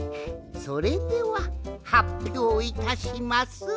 それでははっぴょういたします。